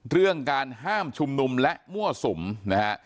เรื่องการห้ามชุมนุมและมั่วสุมนะฮะ